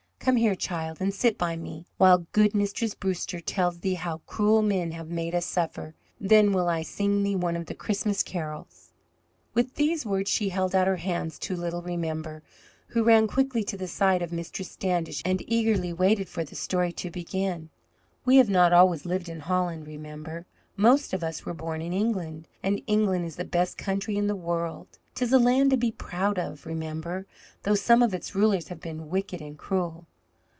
Come here, child, and sit by me, while good Mistress Brewster tells thee how cruel men have made us suffer. Then will I sing thee one of the Christmas carols." With these words she held out her hands to little Remember, who ran quickly to the side of Mistress Standish, and eagerly waited for the story to begin. "We have not always lived in Holland, Remember. Most of us were born in England, and England is the best country in the world. 'Tis a land to be proud of, Remember, though some of its rulers have been wicked and cruel.